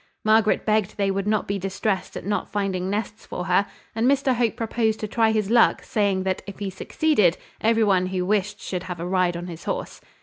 Margaret begged they would not be distressed at not finding nests for her; and Mr Hope proposed to try his luck, saying, that if he succeeded, every one who wished should have a ride on his horse.